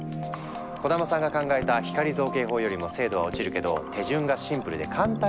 小玉さんが考えた光造形法よりも精度は落ちるけど手順がシンプルで簡単にできる。